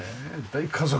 大家族。